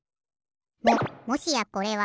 ももしやこれは。